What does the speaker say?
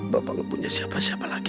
bapak nggak punya siapa siapa lagi